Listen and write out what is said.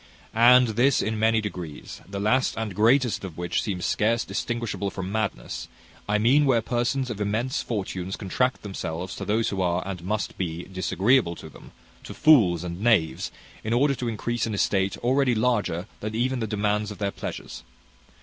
"And this in many degrees; the last and greatest of which seems scarce distinguishable from madness; I mean where persons of immense fortunes contract themselves to those who are, and must be, disagreeable to them to fools and knaves in order to increase an estate already larger even than the demands of their pleasures.